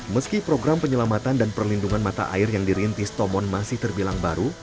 meski program penyelamatan dan perlindungan mata air yang dirintis tomon masih terbilang baru